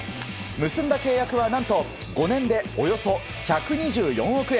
結んだ契約は何と５年でおよそ１２４億円。